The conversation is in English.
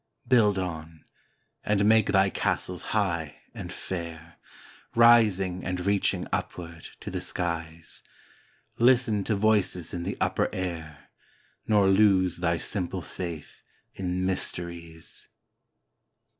Build on, and make thy castles high and fair, Rising and reaching upward to the skies; Listen to voices in the upper air, Nor lose thy simple faith in mysteries.